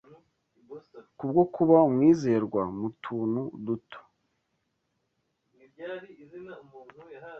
Kubwo kuba umwizerwa mu tuntu duto